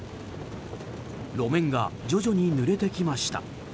路面が徐々にぬれてきました。